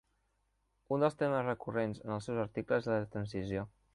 Un dels temes recurrents en els seus articles és la transició.